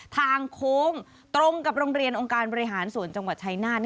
ทางโค้งตรงกับโรงเรียนองค์การบริหารส่วนจังหวัดชายนาฏ